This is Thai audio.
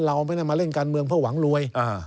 เราไม่ได้มาเล่นการเมืองเพื่อหวังรวย